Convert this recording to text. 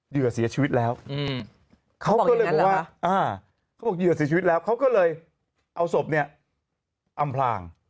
เหยื่อเสียชีวิตแล้วเขาบอกเหยื่อเสียชีวิตแล้วเขาก็เลยเอาศพเนี่ยอำพลาง